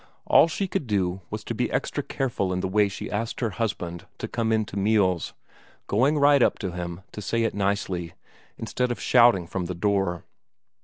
All she could do was to be extra careful in the way she asked her husband to come in to meals, going right up to him to say it nicely, instead of shouting from the door.